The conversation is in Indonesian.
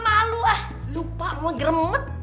malu ah lupa mau gremet